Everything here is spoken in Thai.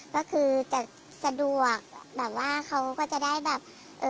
ก็คือจะสะดวกแบบว่าเขาก็จะได้แบบเออ